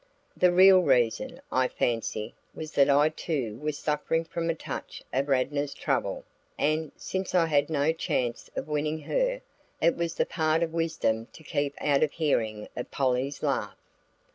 The real reason, I fancy, was that I too was suffering from a touch of Radnor's trouble; and, since I had no chance of winning her, it was the part of wisdom to keep out of hearing of Polly's laugh.